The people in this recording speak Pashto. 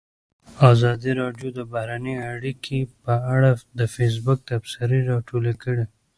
ازادي راډیو د بهرنۍ اړیکې په اړه د فیسبوک تبصرې راټولې کړي.